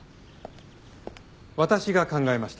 私が考えました。